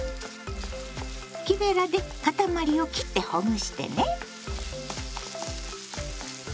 木べらでかたまりを切ってほぐしてね。